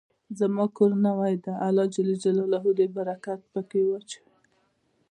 زما کور نوې ده، الله ج د برکت په کي واچوی